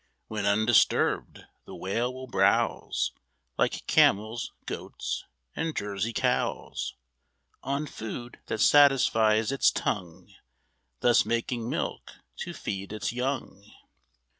When undisturbed, the Whale will browse Like camels, goats, and Jersey cows, On food that satisfies its tongue, Thus making milk to feed its young.